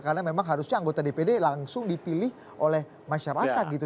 karena memang harusnya anggota dpd langsung dipilih oleh masyarakat gitu